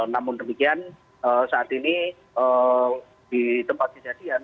namun demikian saat ini di tempat kejadian